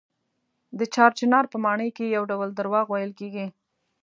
د چار چنار په ماڼۍ کې یو ډول درواغ ویل کېږي.